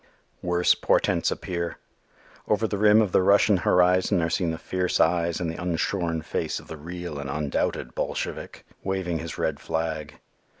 Worse portents appear. Over the rim of the Russian horizon are seen the fierce eyes and the unshorn face of the real and undoubted Bolshevik, waving his red flag.